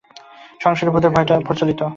সংসারে ভূতের ভয়টাই প্রচলিত।